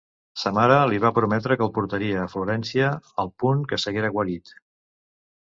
Sa mare li va prometre que el portaria a Florència, al punt que s'haguera guarit.